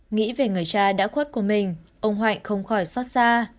nghĩ về người cha đã khuất của mình ông hạnh không khỏi xót xa